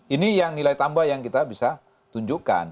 ini yang nilai tambah yang kita bisa tunjukkan